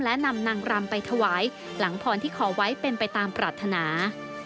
และนำนางรำไปถวายหลังพรที่ขอไว้เป็นไปตามปรารถนา